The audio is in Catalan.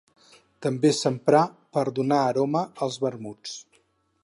També s'empra per donar aroma als vermuts.